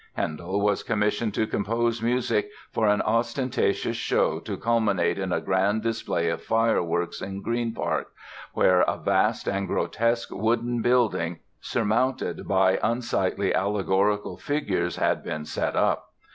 Handel was commissioned to compose music for an ostentatious show to culminate in a grand display of fireworks in Green Park, where a vast and grotesque wooden building, surmounted by unsightly allegorical figures, had been set up.